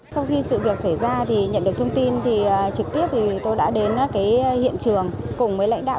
sau khi sự việc xảy ra nhận được thông tin trực tiếp tôi đã đến hiện trường cùng với lãnh đạo